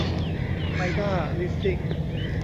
ไมด้า ลิสซิ่ง